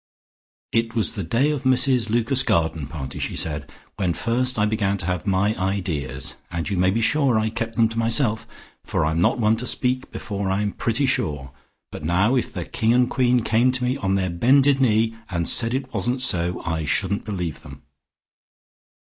"It was the day of Mrs Lucas's garden party," she said, "when first I began to have my ideas, and you may be sure I kept them to myself, for I'm not one to speak before I'm pretty sure, but now if the King and Queen came to me on their bended knee and said it wasn't so, I shouldn't believe them.